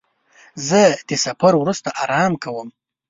زه د سفر وروسته آرام کوم.